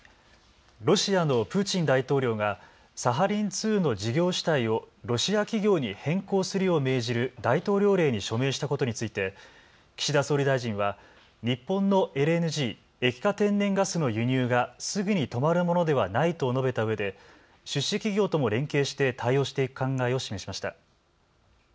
ロシアのプーチン大統領がサハリン２の事業主体をロシア企業に変更するよう命じる大統領令に署名したことについて岸田総理大臣は日本のＬＮＧ・液化天然ガスの輸入がすぐに止まるものではないと述べたうえで出資企業とも連携して対応していく考えを示しました。